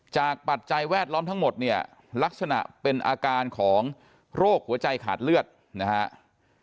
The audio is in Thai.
ปัจจัยแวดล้อมทั้งหมดเนี่ยลักษณะเป็นอาการของโรคหัวใจขาดเลือดนะครับ